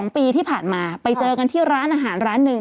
๒ปีที่ผ่านมาไปเจอกันที่ร้านอาหารร้านหนึ่ง